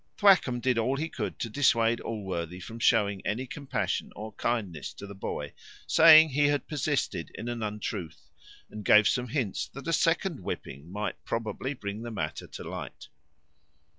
Thwackum did all he could to persuade Allworthy from showing any compassion or kindness to the boy, saying, "He had persisted in an untruth;" and gave some hints, that a second whipping might probably bring the matter to light.